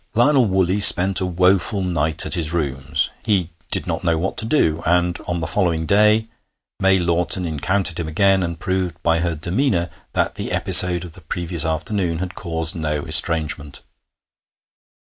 Lionel Woolley spent a woeful night at his rooms. He did not know what to do, and on the following day May Lawton encountered him again, and proved by her demeanour that the episode of the previous afternoon had caused no estrangement.